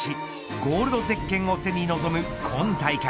ゴールドゼッケンを背に臨む今大会。